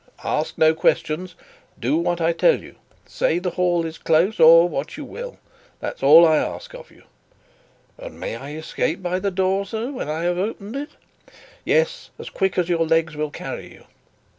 "Ask no questions. Do what I tell you. Say the hall is close, or what you will. That is all I ask of you." "And may I escape by the door, sir, when I have opened it?" "Yes, as quick as your legs will carry you.